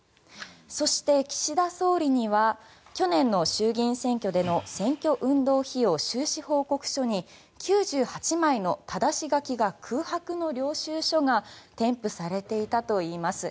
そして、岸田総理には去年の衆議院選挙での選挙運動費用収支報告書に９８枚のただし書きが空白の領収書が添付されていたといいます。